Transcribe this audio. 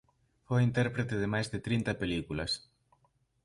Foi intérprete de máis de trinta películas.